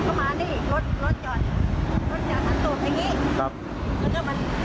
มันก็มานี่รถรถจอดรถจากทางตรงนี้ครับแล้วก็มันหันหน้าไปนี่